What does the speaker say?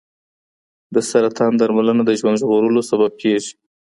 د سرطان درملنه د ژوند ژغورلو سبب کېږي.